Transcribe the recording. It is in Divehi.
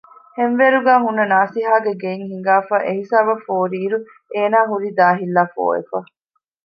ހެންވޭރުގައި ހުންނަ ނާސިހާގެ ގެއިން ހިނގާފައި އެހިސާބަށް ފޯރިއިރު އޭނާ ހުރީ ދާހިއްލާފޯވެފަ